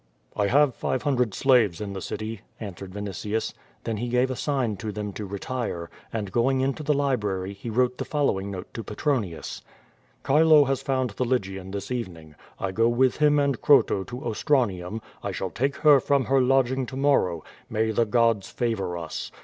"I have five hundred slaves in the city," answered Vinitius. Then he gave a sign to them to retire, and going into the library he wrote the following note to Petronius: "Chilo has found the Lygian this evening. I go with him and Croto to Ostranium; I shall take her from her lodging to morrow; may the gods favor us!